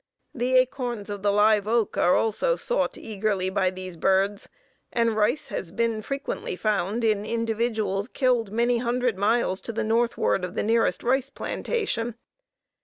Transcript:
The acorns of the live oak are also eagerly sought after by these birds, and rice has been frequently found in individuals killed many hundred miles to the northward of the nearest rice plantation.